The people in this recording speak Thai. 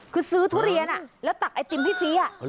คือซื้อทุเรียนแล้วตักไอติมให้ฟรี